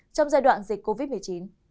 trong giai đoạn dịch covid một mươi chín